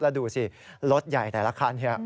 แล้วดูสิรถใหญ่แต่ละคันนี้